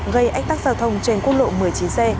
gây ách tắc giao thông trên quốc lộ một mươi chín c